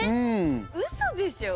うそでしょ。